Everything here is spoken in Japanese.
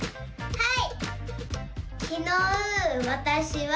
はい！